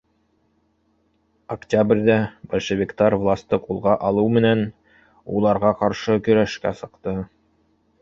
Октябрҙә большевиктар власты ҡулға алыу менән, уларға ҡаршы көрәшкә сыҡты.